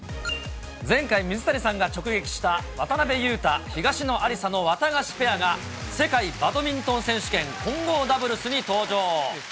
前回、水谷さんが直撃した渡辺勇大・東野有紗のワタガシペアが、世界バトミントン選手権混合ダブルスに登場。